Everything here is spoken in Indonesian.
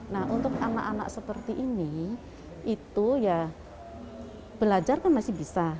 nah untuk anak anak seperti ini itu ya belajar kan masih bisa